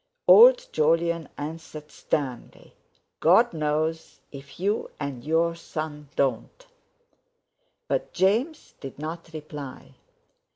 Old Jolyon answered sternly: "God knows, if you and your son don't!" But James did not reply.